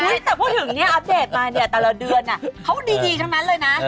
ใช่เลยแต่พูดถึงอัปเดตมาเนี่ยตลาดเดือนเขาดีทั้งนั้นเลยนะ